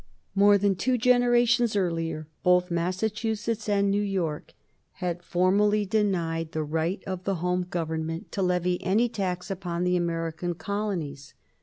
More than two generations earlier both Massachusetts and New York had formally denied the right of the Home Government to levy any tax upon the American colonies.